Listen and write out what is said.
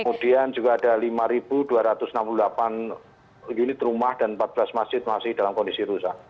kemudian juga ada lima dua ratus enam puluh delapan unit rumah dan empat belas masjid masih dalam kondisi rusak